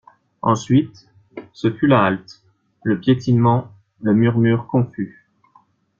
Ensuite, ce fut la halte, le piétinement, le murmure confus.